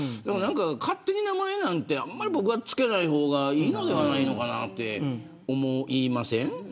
勝手に名前なんて付けない方がいいのではないのかなって思いません。